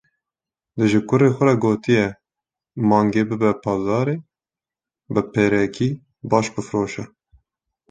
Dê ji kurê xwe re gotiye: Mangê bibe bazarê, bi perekî baş bifroşe.